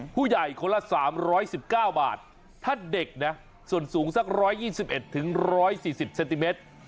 ผู้ใหญ่คนละ๓๑๙บาทถ้าเด็กนะส่วนสูงสัก๑๒๑๑๑๔๐เซนติเมตร